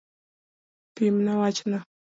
Pimna wachno.